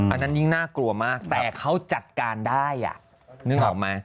อันนั้นยิ่งน่ากลัวมากแต่เขาจัดการได้นึกออกไหม